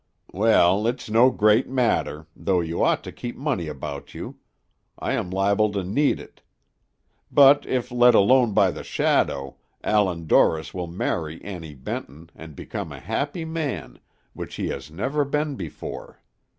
"Well, it's no great matter, though you ought to keep money about you; I am liable to need it. But, if let alone by the shadow, Allan Dorris will marry Annie Benton, and become a happy man, which he has never been before.